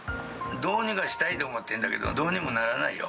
どうにかしたいと思ってるんだけど、どうにもならないよ。